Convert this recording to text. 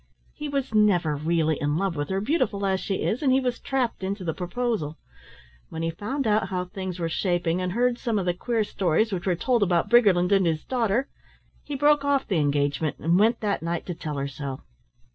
He was never really in love with her, beautiful as she is, and he was trapped into the proposal. When he found out how things were shaping and heard some of the queer stories which were told about Briggerland and his daughter, he broke off the engagement and went that night to tell her so."